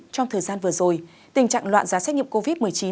trong thời gian vừa rồi tình trạng loạn giá xét nghiệm covid một mươi chín